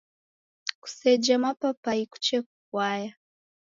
Kuseje mapaipai kuche fwaya.